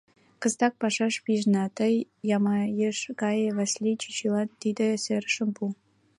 Кызытак пашаш пижына: тый Ямайыш кае, Васли чӱчӱлан тиде серышым пу.